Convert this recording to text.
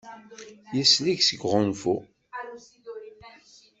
Yezlez seg -s uɣunfu.